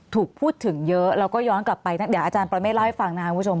ถูกพูดถึงเยอะแล้วก็ย้อนกลับไปเดี๋ยวอาจารย์ปรเมฆเล่าให้ฟังนะครับคุณผู้ชม